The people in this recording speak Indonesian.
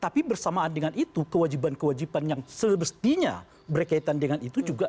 tapi bersamaan dengan itu kewajiban kewajiban yang semestinya berkaitan dengan itu juga